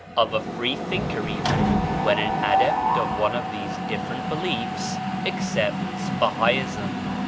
of a Free Thinker even, when an adept of one of these different beliefs accepts Bahaism.